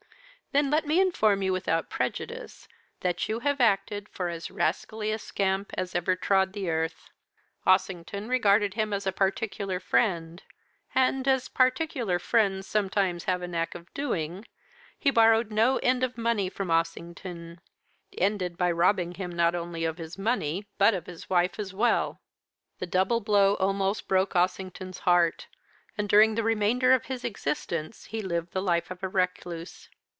Then let me inform you, without prejudice, that you have acted for as rascally a scamp as ever trod the earth. Ossington regarded him as a particular friend; and, as particular friends sometimes have a knack of doing, he borrowed no end of money from Ossington, ending by robbing him not only of his money, but of his wife as well. The double blow almost broke Ossington's heart, and during the remainder of his existence he lived the life of a recluse.